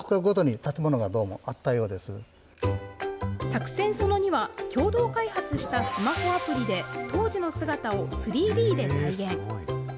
作戦その２は、共同開発したスマホアプリで、当時の姿を３Ｄで再現。